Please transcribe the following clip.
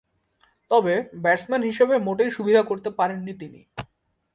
তবে, ব্যাটসম্যান হিসেবে মোটেই সুবিধা করতে পারেননি তিনি।